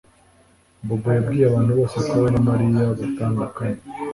Bobo yabwiye abantu bose ko we na Mariya batandukanye